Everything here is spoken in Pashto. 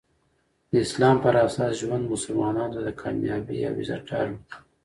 د اسلام پراساس ژوند مسلمانانو ته د کامیابي او عزت ډاډ ورکوي.